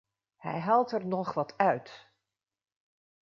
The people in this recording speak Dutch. Hij haalt er nog wat uit.